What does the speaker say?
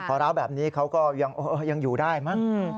พอร้าวแบบนี้เขาก็ยังอยู่ได้มั้ง